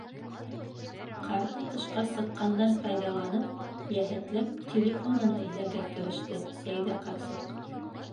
Ҡарты тышҡа сыҡҡандан файҙаланып, йәһәтләп телефонын эҙләргә кереште Сәйҙә ҡарсыҡ.